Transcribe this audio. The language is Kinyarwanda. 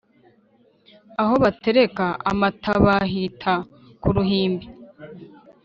Aho batereka Amatabahita Ku Ruhimbi